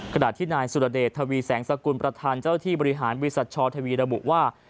ขณะที่นายสุรเดชทวีแสงสกุลประธานเจ้าที่บริหารบริษัทชอทวีระบุว่า